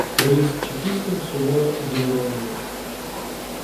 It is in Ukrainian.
Проїзд чекістам суворо заборонений".